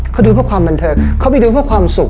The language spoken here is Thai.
เขาดูเพื่อความบันเทิงเขาไปดูเพื่อความสุข